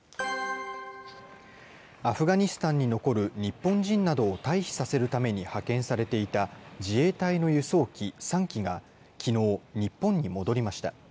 アフガニスタンに残る日本人などを退避させるために派遣されていた自衛隊の輸送機３機が、きのう日本に戻りました。